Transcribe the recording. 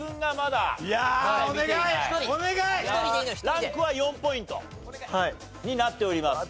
ランクは４ポイントになっております。